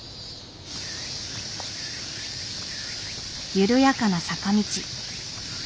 緩やかな坂道。